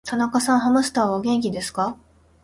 田中さんのハムスターは、お元気ですか。